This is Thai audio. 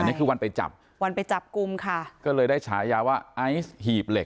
อันนี้คือวันไปจับกุมค่ะก็เลยได้ฉายาว่าไอซ์หีบเหล็ก